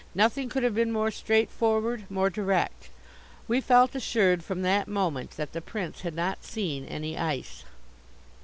Nothing could have been more straightforward, more direct. We felt assured from that moment that the Prince had not seen any ice.